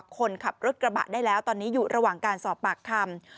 คนขับรถกระบะได้แล้วตอนนี้อยู่ระหว่างการสอบปากคำ